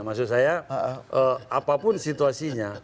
maksud saya apapun situasinya